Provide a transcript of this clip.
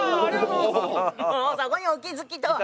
もうそこにお気付きとは。